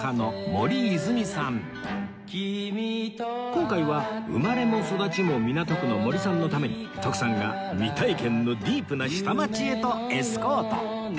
今回は生まれも育ちも港区の森さんのために徳さんが未体験のディープな下町へとエスコート